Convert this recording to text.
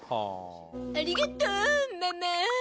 ありがとうママ！